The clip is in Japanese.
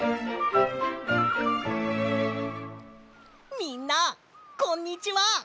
みんなこんにちは！